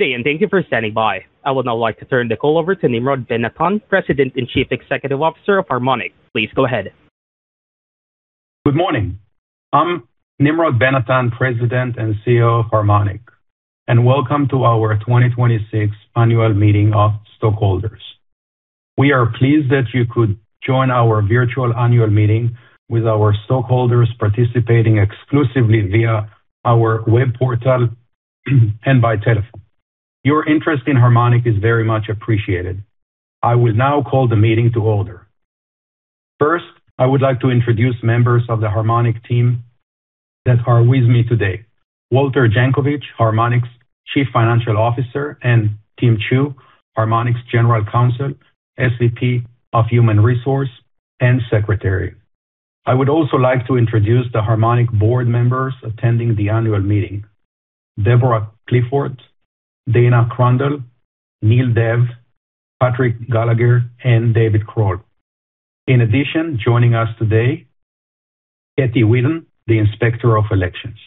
Good day, thank you for standing by. I would now like to turn the call over to Nimrod Ben-Natan, President and Chief Executive Officer of Harmonic. Please go ahead. Good morning. I'm Nimrod Ben-Natan, President and CEO of Harmonic, and welcome to our 2026 Annual Meeting of Stockholders. We are pleased that you could join our virtual annual meeting with our stockholders participating exclusively via our web portal and by telephone. Your interest in Harmonic is very much appreciated. I will now call the meeting to order. First, I would like to introduce members of the Harmonic team that are with me today. Walter Jankovic, Harmonic's Chief Financial Officer, and Tim Chu, Harmonic's General Counsel, SVP of Human Resources, and Secretary. I would also like to introduce the Harmonic Board Members attending the annual meeting. Deborah Clifford, Dana Crandall, Neel Dev, Patrick Gallagher, and David Krall. In addition, joining us today, Kathy Wheadon, the Inspector of Elections.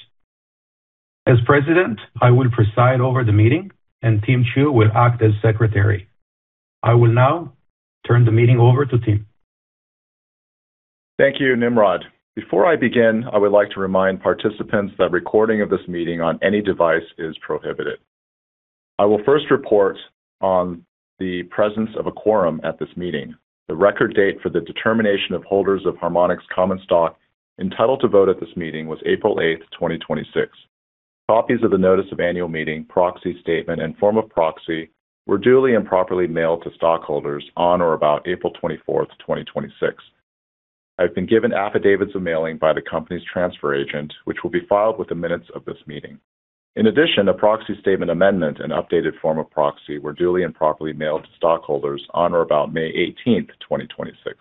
As president, I will preside over the meeting, and Tim Chu will act as Secretary. I will now turn the meeting over to Tim. Thank you, Nimrod. Before I begin, I would like to remind participants that recording of this meeting on any device is prohibited. I will first report on the presence of a quorum at this meeting. The record date for the determination of holders of Harmonic's common stock entitled to vote at this meeting was April 8th, 2026. Copies of the notice of annual meeting, proxy statement, and form of proxy were duly and properly mailed to stockholders on or about April 24th, 2026. I've been given affidavits of mailing by the company's transfer agent, which will be filed with the minutes of this meeting. In addition, a proxy statement amendment and updated form of proxy were duly and properly mailed to stockholders on or about May 18th, 2026.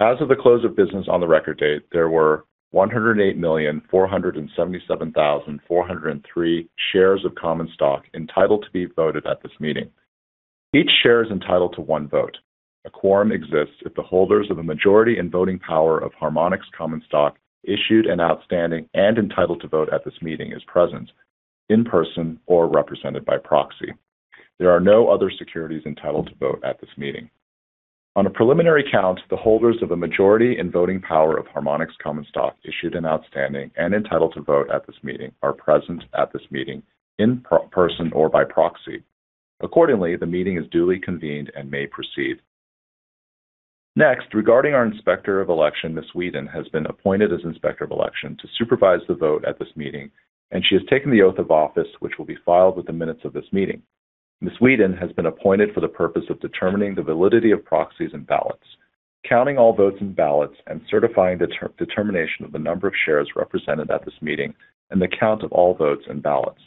As of the close of business on the record date, there were 108,477,403 shares of common stock entitled to be voted at this meeting. Each share is entitled to one vote. A quorum exists if the holders of a majority in voting power of Harmonic's common stock, issued and outstanding and entitled to vote at this meeting, is present in person or represented by proxy. There are no other securities entitled to vote at this meeting. On a preliminary count, the holders of a majority in voting power of Harmonic's common stock, issued and outstanding and entitled to vote at this meeting, are present at this meeting in person or by proxy. Accordingly, the meeting is duly convened and may proceed. Regarding our Inspector of Election, Ms. Wheadon has been appointed as Inspector of Election to supervise the vote at this meeting, and she has taken the oath of office, which will be filed with the minutes of this meeting. Ms. Wheadon has been appointed for the purpose of determining the validity of proxies and ballots, counting all votes and ballots, and certifying determination of the number of shares represented at this meeting and the count of all votes and ballots.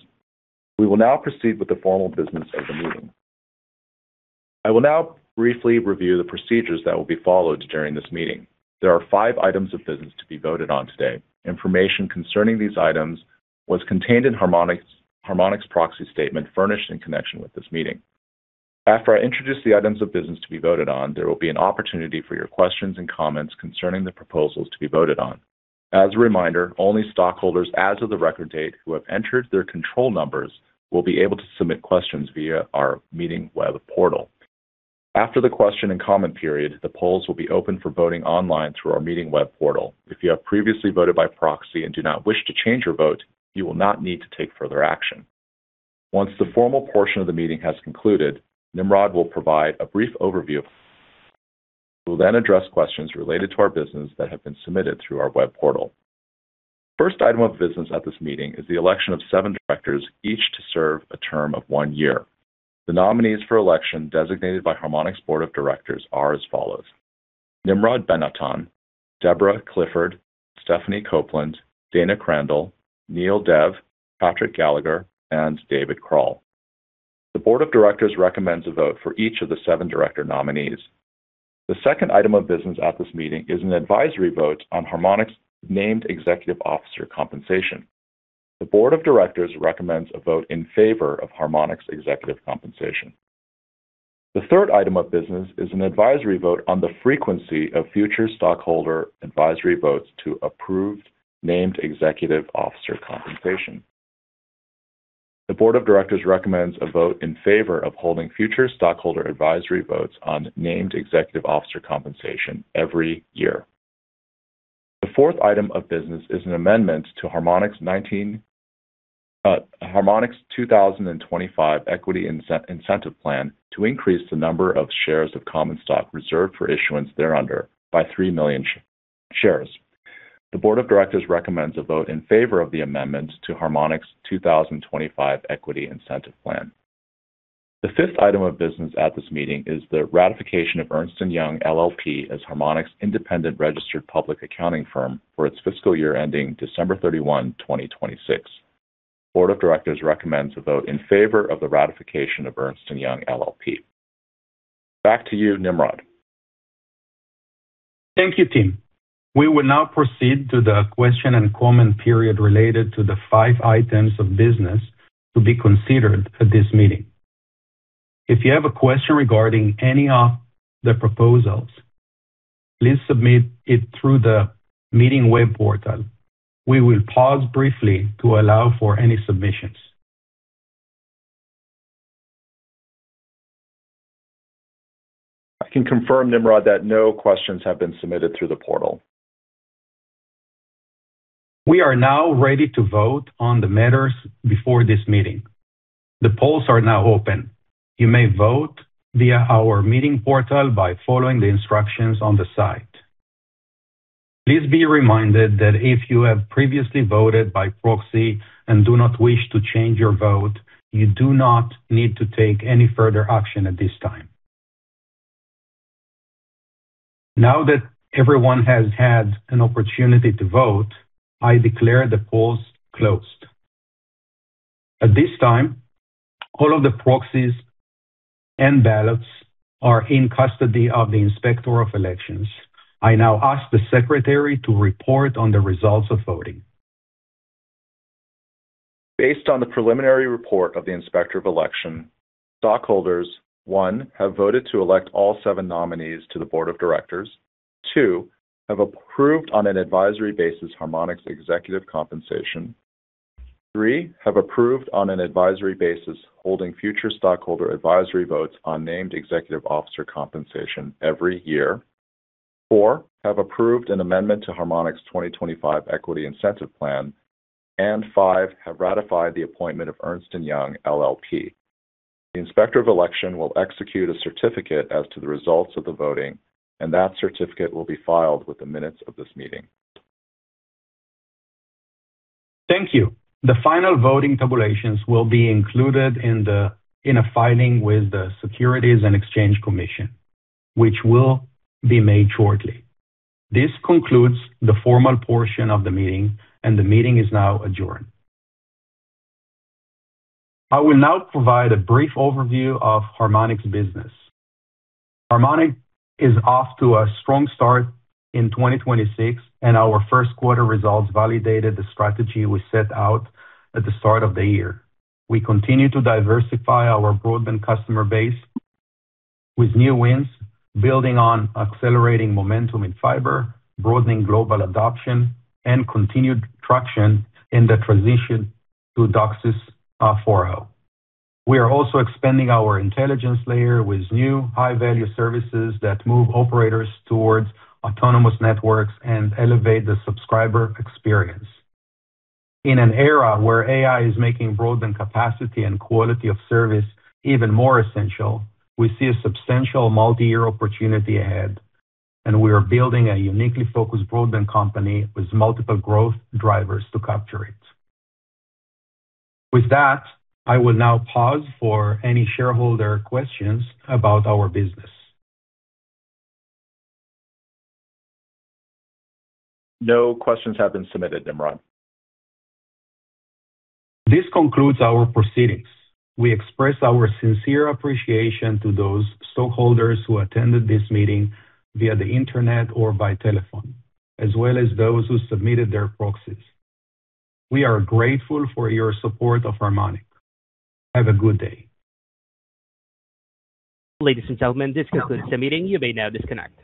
We will now proceed with the formal business of the meeting. I will now briefly review the procedures that will be followed during this meeting. There are five items of business to be voted on today. Information concerning these items was contained in Harmonic's Proxy Statement furnished in connection with this meeting. After I introduce the items of business to be voted on, there will be an opportunity for your questions and comments concerning the proposals to be voted on. As a reminder, only stockholders as of the record date who have entered their control numbers will be able to submit questions via our meeting web portal. After the question and comment period, the polls will be open for voting online through our meeting web portal. If you have previously voted by proxy and do not wish to change your vote, you will not need to take further action. Once the formal portion of the meeting has concluded, Nimrod will provide a brief overview. We'll then address questions related to our business that have been submitted through our web portal. First item of business at this meeting is the election of seven directors, each to serve a term of one year. The nominees for election designated by Harmonic's Board of Directors are as follows: Nimrod Ben-Natan, Deborah Clifford, Stephanie Copeland, Dana Crandall, Neel Dev, Patrick Gallagher, and David Krall. The Board of Directors recommends a vote for each of the seven director nominees. The second item of business at this meeting is an advisory vote on Harmonic's named executive officer compensation. The Board of Directors recommends a vote in favor of Harmonic's executive compensation. The third item of business is an advisory vote on the frequency of future stockholder advisory votes to approved named executive officer compensation. The Board of Directors recommends a vote in favor of holding future stockholder advisory votes on named executive officer compensation every year. The fourth item of business is an amendment to Harmonic's 2025 Equity Incentive Plan to increase the number of shares of common stock reserved for issuance thereunder by 3 million shares. The Board of Directors recommends a vote in favor of the amendment to Harmonic's 2025 Equity Incentive Plan. The fifth item of business at this meeting is the ratification of Ernst & Young LLP as Harmonic's independent registered public accounting firm for its fiscal year ending December 31, 2026. Board of Directors recommends a vote in favor of the ratification of Ernst & Young LLP. Back to you, Nimrod. Thank you, Tim. We will now proceed to the question-and-comment period related to the five items of business to be considered at this meeting. If you have a question regarding any of the proposals, please submit it through the meeting web portal. We will pause briefly to allow for any submissions. I can confirm, Nimrod, that no questions have been submitted through the portal. We are now ready to vote on the matters before this meeting. The polls are now open. You may vote via our meeting portal by following the instructions on the site. Please be reminded that if you have previously voted by proxy and do not wish to change your vote, you do not need to take any further action at this time. Now that everyone has had an opportunity to vote, I declare the polls closed. At this time, all of the proxies and ballots are in custody of the Inspector of Elections. I now ask the Secretary to report on the results of voting. Based on the preliminary report of the Inspector of Election, stockholders, one, have voted to elect all seven nominees to the Board of Directors. Two, have approved on an advisory basis Harmonic's executive compensation. Three, have approved on an advisory basis holding future stockholder advisory votes on named executive officer compensation every year. Four, have approved an amendment to Harmonic's 2025 Equity Incentive Plan. Five, have ratified the appointment of Ernst & Young LLP. The Inspector of Election will execute a certificate as to the results of the voting, and that certificate will be filed with the minutes of this meeting. Thank you. The final voting tabulations will be included in a filing with the Securities and Exchange Commission, which will be made shortly. This concludes the formal portion of the meeting, and the meeting is now adjourned. I will now provide a brief overview of Harmonic's business. Harmonic is off to a strong start in 2026, and our first quarter results validated the strategy we set out at the start of the year. We continue to diversify our broadband customer base with new wins, building on accelerating momentum in fiber, broadening global adoption, and continued traction in the transition to DOCSIS 4.0. We are also expanding our intelligence layer with new high-value services that move operators towards autonomous networks and elevate the subscriber experience. In an era where AI is making broadband capacity and quality of service even more essential, we see a substantial multi-year opportunity ahead. We are building a uniquely focused broadband company with multiple growth drivers to capture it. With that, I will now pause for any shareholder questions about our business. No questions have been submitted, Nimrod. This concludes our proceedings. We express our sincere appreciation to those stockholders who attended this meeting via the internet or by telephone, as well as those who submitted their proxies. We are grateful for your support of Harmonic. Have a good day. Ladies and gentlemen, this concludes the meeting. You may now disconnect.